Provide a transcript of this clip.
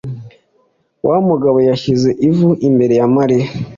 Wa mugabo yashyize ivu imbere ya Mariya.